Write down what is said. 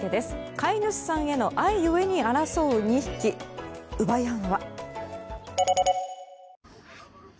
飼い主さんへの愛ゆえに争う２匹。奪い合うのは？